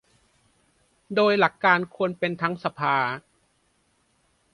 โดยหลักการควรเป็นทั้งสภา